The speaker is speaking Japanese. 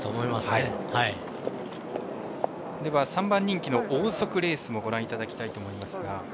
では、３番人気のオーソクレースもご覧いただきたいと思います。